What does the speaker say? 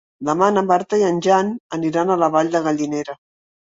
Demà na Marta i en Jan aniran a la Vall de Gallinera.